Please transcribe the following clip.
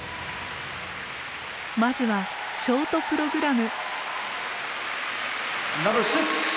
まずはショートプログラム。